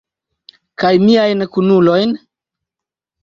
Kaj miajn kunulojn?